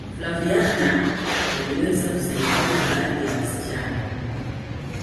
flaviana aliweza kusaidia baadhi ya wasichana